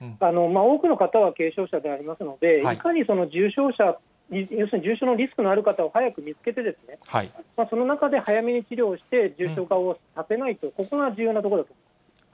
多くの方は軽症者でありますので、いかに重症者、要するに重症のリスクのある方を早く見つけてですね、その中で早めに治療をして、重症化をさせないと、ここが重要なところです。